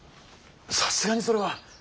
さすがにそれは。